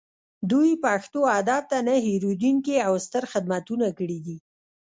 دوی پښتو ادب ته نه هیریدونکي او ستر خدمتونه کړي دي